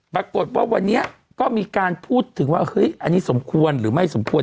ปรากฏว่าวันนี้ก็มีการพูดถึงว่าเฮ้ยอันนี้สมควรหรือไม่สมควร